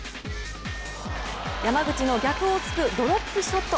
山口の逆を突くドロップショット。